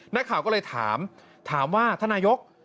นักข่าวก็เลยถามถามว่าท่านนายก